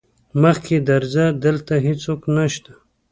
مخکې درځه دلته هيڅوک نشته.